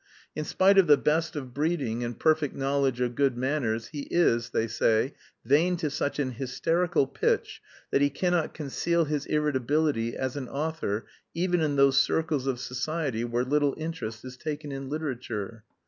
In spite of the best of breeding and perfect knowledge of good manners he is, they say, vain to such an hysterical pitch that he cannot conceal his irritability as an author even in those circles of society where little interest is taken in literature.